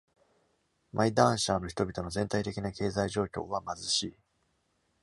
マイダーンシャーの人々の全体的な経済状況は貧しい。